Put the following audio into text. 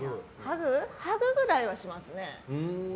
ハグぐらいはしますね。